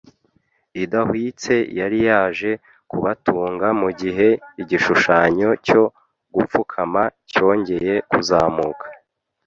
idahwitse yari yaje kubatunga mugihe igishushanyo cyo gupfukama cyongeye kuzamuka